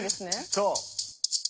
そう。